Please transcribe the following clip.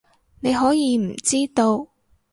你可能唔知道